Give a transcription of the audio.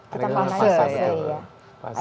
kita mengenal fase betul